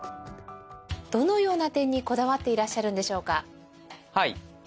どのような点にこだわっていらっしゃるんでしょうか？